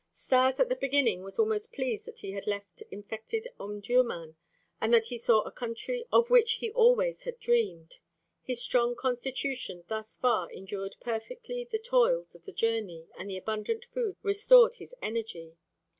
Stas at the beginning was almost pleased that he had left infected Omdurmân and that he saw a country of which he always had dreamed. His strong constitution thus far endured perfectly the toils of the journey and the abundant food restored his energy.